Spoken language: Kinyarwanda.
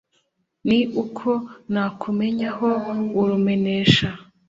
ni uko nakumenyeho urumenesha